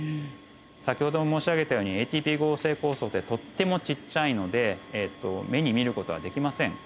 先ほども申し上げたようにＡＴＰ合成酵素ってとってもちっちゃいので目に見る事はできません。